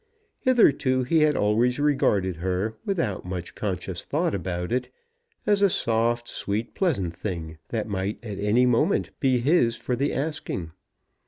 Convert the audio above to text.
Hitherto he had always regarded her, without much conscious thought about it, as a soft, sweet, pleasant thing, that might at any moment be his for the asking.